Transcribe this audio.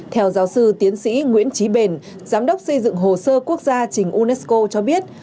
theo giáo sư tiến sĩ nguyễn trí bền giám đốc xây dựng hồ sơ quốc gia trình unesco cho biết